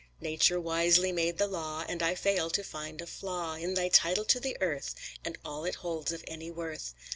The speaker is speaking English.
Nature wisely made the law, And I fail to find a flaw In thy title to the earth, And all it holds of any worth.